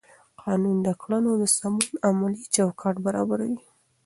قانون د کړنو د سمون عملي چوکاټ برابروي.